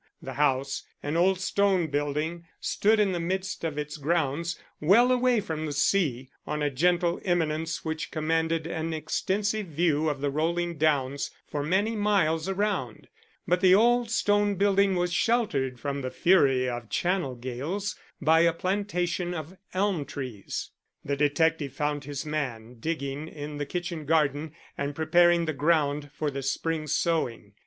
The house, an old stone building, stood in the midst of its grounds well away from the sea on a gentle eminence which commanded an extensive view of the rolling downs for many miles around, but the old stone building was sheltered from the fury of Channel gales by a plantation of elm trees. The detective found his man digging in the kitchen garden and preparing the ground for the spring sowing.